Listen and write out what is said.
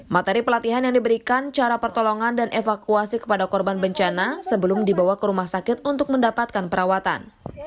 materi pelatihan yang diberikan cara pertolongan dan evakuasi kepada korban bencana sebelum dibawa ke rumah sakit untuk mendapatkan perawatan